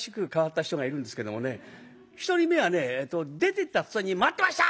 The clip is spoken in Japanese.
１人目はね出てった途端に「待ってました！